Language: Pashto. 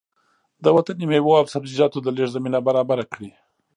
د وطني مېوو او سبزيجاتو د لېږد زمينه برابره کړي